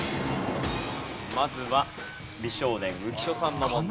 まずは美少年浮所さんの問題です。